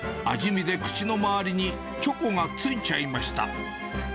味見で口の周りにチョコがついちゃいました。